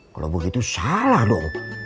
kalo begitu salah dong